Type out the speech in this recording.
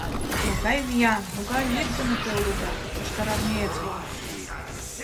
Могай виян, могай лӱддымӧ те улыда, йошкарармеец-влак!